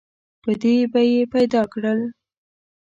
په دې به یې پیدا کړل.